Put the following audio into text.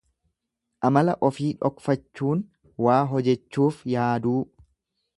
Amala ofii dhokfachuun waa hojechuuf yaaduu.